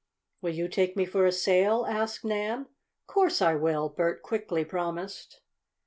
"Will you take me for a sail?" asked Nan. "Course I will!" Bert quickly promised.